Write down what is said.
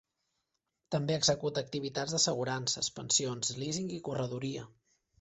També executa activitats d'assegurances, pensions, leasing, i corredoria.